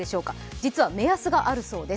実は目安があるそうです。